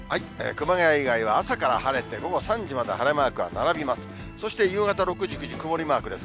熊谷以外は朝から晴れて、午後３時まで晴れマークが並びます。